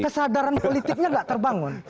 kesadaran politiknya enggak terbangun